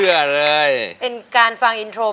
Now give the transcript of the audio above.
เพลงนี้ที่๕หมื่นบาทแล้วน้องแคน